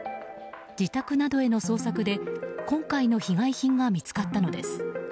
自宅などへの捜索で今回の被害品が見つかったのです。